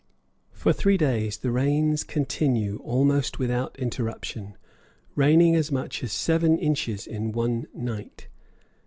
For three days the rains continue almost without interruption, raining as much as seven inches in one night.